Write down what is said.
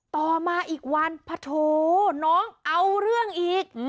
ต่อมาอีกวันพะโถน้องเอาเรื่องอีก